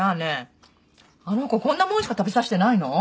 あの子こんな物しか食べさしてないの？